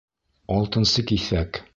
Алтынсы киҫәк.